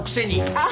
あっ。